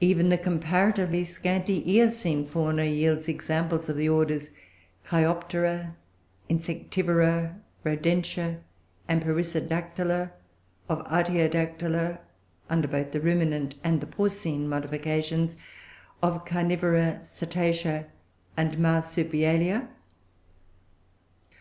Even the comparatively scanty Eocene fauna yields examples of the orders Cheiroptera, Insectivora, Rodentia, and Perissodactyla; of Artiodactyla under both the Ruminant and the Porcine modifications; of Caranivora, Cetacea, and Marsupialia.